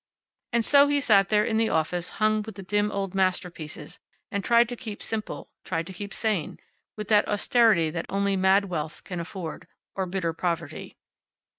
And so he sat there in the office hung with the dim old masterpieces, and tried to keep simple, tried to keep sane, with that austerity that only mad wealth can afford or bitter poverty.